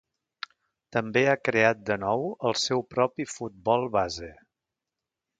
També ha creat de nou el seu propi Futbol Base.